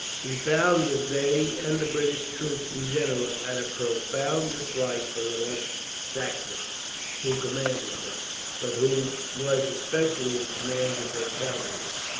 He found that they, and the British troops in general, had a profound dislike for Lord Sackville; who commanded them, but who was especially in command of their cavalry.